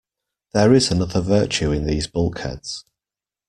There is another virtue in these bulkheads.